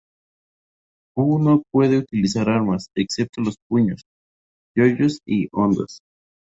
Poo no pueden utilizar armas, excepto los puños, yo-yos y hondas.